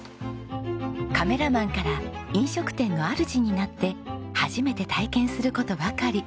カメラマンから飲食店のあるじになって初めて体験する事ばかり。